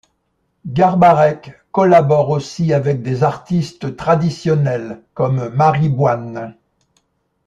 Garbarek collabore aussi avec des artistes traditionnels, comme Mari Boine.